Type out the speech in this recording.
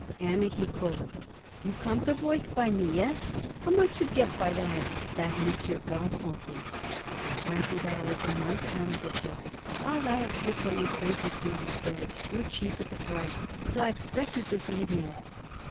"Anna," he croaked, "you come to work by me. Yes? How much you get by that that M. Garfunkel?" "Twenty dollars a month," Anna replied. "All right, we'll pay you twenty two," he said. "You're cheap at the price. So I expect you this evening."